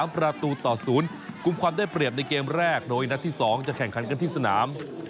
ประตูต่อ๐กลุ่มความได้เปรียบในเกมแรกโดยนัดที่๒จะแข่งขันกันที่สนาม